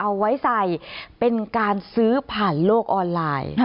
เอาไว้ใส่เป็นการซื้อผ่านโลกออนไลน์